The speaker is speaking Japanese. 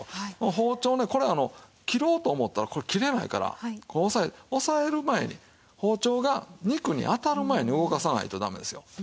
包丁ねこれ切ろうと思ったらこれ切れないからこう押さえ押さえる前に包丁が肉に当たる前に動かさないとダメですよ。